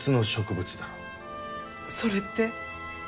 それって。